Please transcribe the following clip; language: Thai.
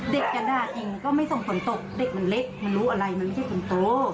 เด็กก็ได้จริงก็ไม่ส่งผลตกเด็กมันเล็กมันรู้อะไรมันไม่ใช่คนโต